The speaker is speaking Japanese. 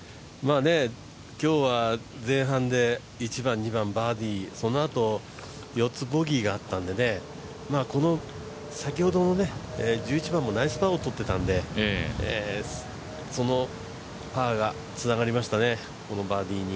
今日は前半で１番、２番バーディーそのあと４つボギーがあったんでね、先ほどの１１番もナイスパーを取っていたのでそのパーが、このバーディーにつながりましたね。